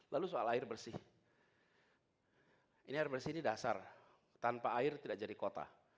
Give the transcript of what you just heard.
lalu soal air bersih ini air bersih ini dasar tanpa air tidak jadi kota